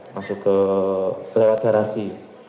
masuk ke lewat garasi